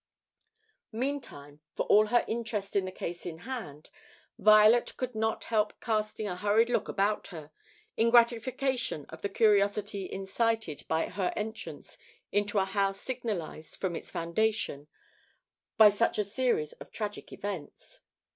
Meantime, for all her interest in the case in hand, Violet could not help casting a hurried look about her, in gratification of the curiosity incited by her entrance into a house signalized from its foundation by such a series of tragic events.